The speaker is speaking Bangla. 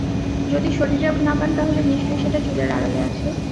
যদি শরীরে না পান, তাহলে নিশ্চয়ই সেটা চুলের আড়ালে আছে!